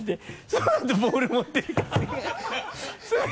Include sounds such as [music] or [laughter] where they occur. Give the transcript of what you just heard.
そのあとボール持ってきて [laughs]